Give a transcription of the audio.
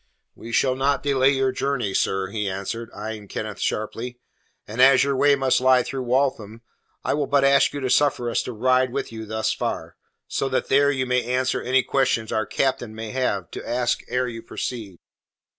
"We shall not delay your journey, sir," he answered, eyeing Kenneth sharply, "and as your way must lie through Waltham, I will but ask you to suffer us to ride with you thus far, so that there you may answer any questions our captain may have to ask ere you proceed."